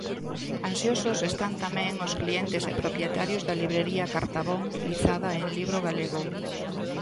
Ansiosos están tamén os clientes e propietarios da librería Cartabón lizada en libro galego.